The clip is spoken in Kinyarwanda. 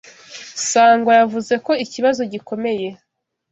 Sangwa yavuze ko ikibazo gikomeye.